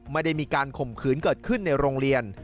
ไม่ได้มีการข่มขืนเกิดขึ้นในโรงเรียน